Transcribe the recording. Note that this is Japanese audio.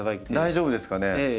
大丈夫ですかね。